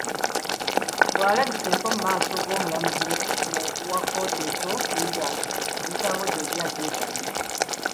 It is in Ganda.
Bw'alabiseeko mu maaso g'omulamuzi wa kkooti ento e Iganga, emisango gyombi agyegaanye.